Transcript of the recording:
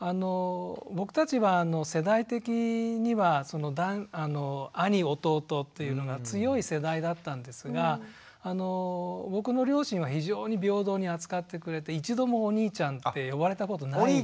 僕たちは世代的には兄弟というのが強い世代だったんですが僕の両親は非常に平等に扱ってくれて一度も「お兄ちゃん」って呼ばれたことないです。